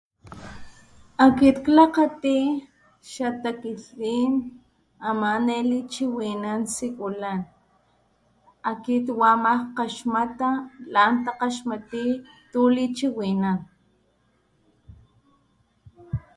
Akit klakgati xatakilhtlin ama nelichiwinan sikulan akit wa ama kgaxmata lan takgaxmati tu lichiwinan.